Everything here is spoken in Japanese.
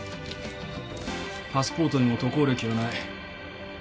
パスポートにも渡航歴はない。